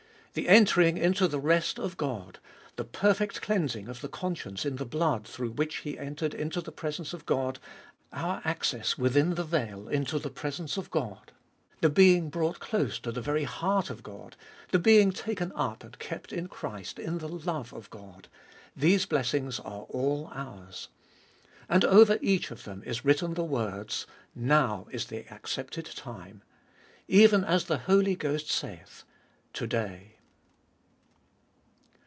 The entering into the rest of God, the perfect cleansing of the conscience in the blood through which He entered into the presence of God, our access within the veil into the presence of God, the being brought close to the very heart of God, the being taken up and kept in Christ in the love of God, — these blessings are all ours. And over each of them is written the words, Now is the accepted time. Even as the Holy Ghost saith, To day.